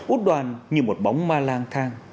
út đoàn như một bóng ma lang thang